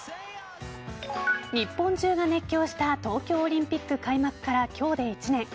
日本中が熱狂した東京オリンピック開幕から今日で１年。